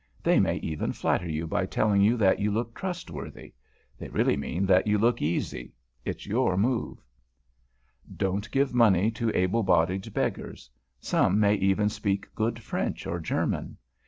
They may even flatter you by telling you that you look trustworthy. They really mean that you look easy. It's your move. [Sidenote: BEGGARS] Don't give money to able bodied beggars. Some may even speak good French or German.